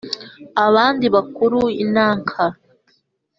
Abandi bakura inanka